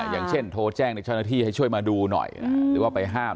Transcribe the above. อย่างเช่นโทรแจ้งในเจ้าหน้าที่ให้ช่วยมาดูหน่อยหรือว่าไปห้าม